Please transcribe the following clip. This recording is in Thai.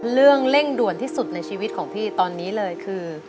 เรื่องเร่งด่วนที่สุดในชีวิตของพี่ตอนนี้เลยคือ